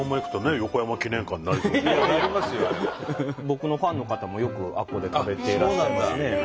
僕のファンの方もよくあっこで食べてらっしゃいますね。